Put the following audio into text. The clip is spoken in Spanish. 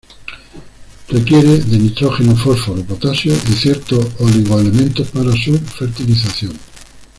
Requiere de nitrógeno, fósforo, potasio y ciertos oligoelementos para su fertilización.